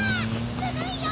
ずるいよ！